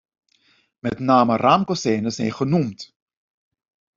Met name raamkozijnen zijn genoemd.